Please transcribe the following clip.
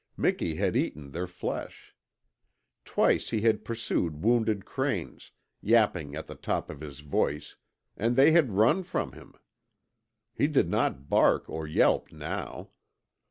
Miki had eaten their flesh. Twice he had pursued wounded cranes, yapping at the top of his voice, AND THEY HAD RUN FROM HIM. He did not bark or yelp now.